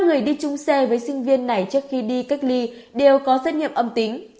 người đi chung xe với sinh viên này trước khi đi cách ly đều có xét nghiệm âm tính